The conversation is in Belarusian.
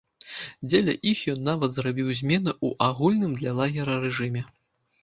Дзеля іх ён нават зрабіў змены ў агульным для лагера рэжыме.